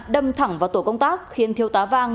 đâm thẳng vào tổ công tác khiến thiếu tá vang